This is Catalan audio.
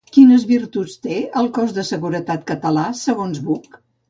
Quines virtuts té el cos de seguretat català, segons Buch?